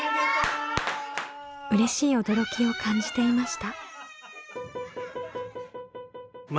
うれしい驚きを感じていました。